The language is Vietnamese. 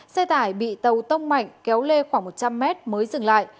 xe tải bị tàu tông mạnh kéo lê khoảng một trăm linh mét mới dừng lại